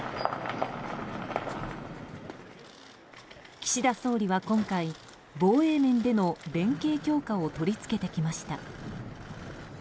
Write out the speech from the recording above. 岸田総理は今回防衛面での連携強化を取り付けてきました。